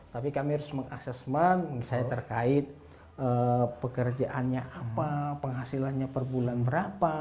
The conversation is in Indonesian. tapi kami harus mengakses saya terkait pekerjaannya apa penghasilannya perbulan berapa